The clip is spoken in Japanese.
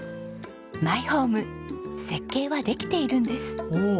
マイホーム設計はできているんです。